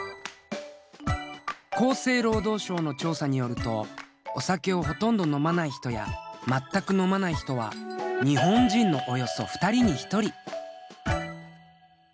厚生労働省の調査によるとお酒をほとんど飲まない人やまったく飲まない人は日本人のおよそ２人に１人。